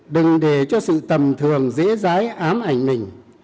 đừng để cho sự tầm thường dễ giái ám ảnh mình